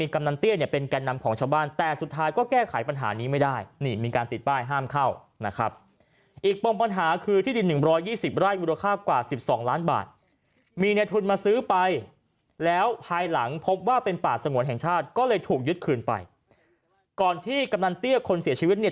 ก็เลยถูกยึดคืนไปก่อนที่กำนันตี้ย์คนเสียชีวิตเนี่ย